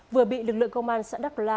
vừa bị lực lượng công an xã đắc la